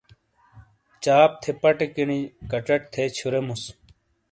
چاپ تھے پٹے کِینِی کچٹ تھے چھُوریموس۔